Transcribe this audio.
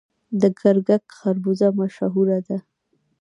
د ګرګک خربوزه مشهوره ده.